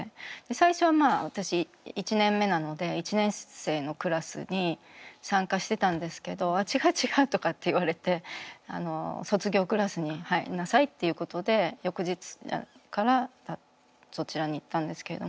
最初は私１年目なので１年生のクラスに参加してたんですけど「あっ違う違う」とかって言われて卒業クラスに入りなさいっていうことで翌日からそちらに行ったんですけれども。